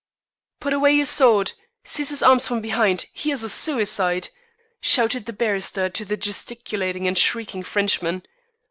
"Put away your sword. Seize his arms from behind. He is a suicide," shouted the barrister to the gesticulating and shrieking Frenchman.